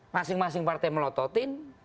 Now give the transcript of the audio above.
masing masing partai melototin